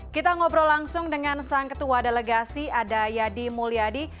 kita ngobrol langsung dengan sang ketua delegasi adayadi mulyadi